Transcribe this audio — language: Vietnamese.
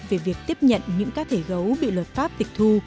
về việc tiếp nhận những cá thể gấu bị luật pháp tịch thu